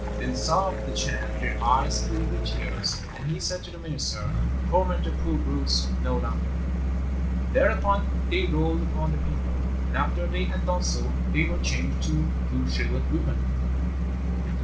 Then saw the Chan their eyes filled with tears, and he said to the minister, 'Torment the poor brutes no longer.' "Thereupon they rolled upon the paper, and after they had done so they were changed to two shrivelled women."